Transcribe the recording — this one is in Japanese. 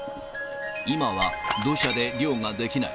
今は土砂で漁ができない。